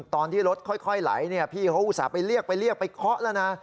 ตอนที่รถค่อยไหลพี่เขาอุตส่าห์ไปเรียกไปเรียกไปเคาะแล้วนะ